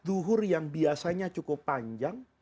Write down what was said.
duhur yang biasanya cukup panjang